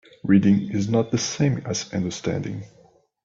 Reading is not the same as understanding.